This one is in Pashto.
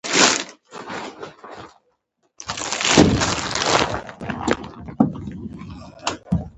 هغې د آرامی ساه واخیستل، په خوشحالۍ شوه.